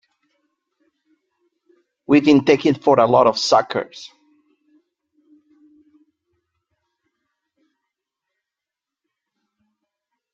We've been taken for a lot of suckers!